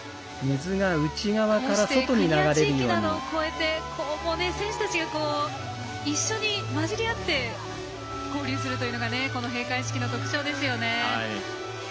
こうして、国や地域などを越えて選手たちが一緒に交じり合って交流するというのがこの閉会式の特徴ですよね。